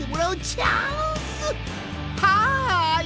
はい！